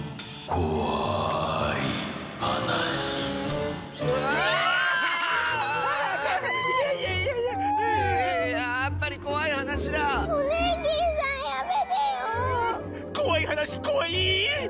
こわいはなしこわい！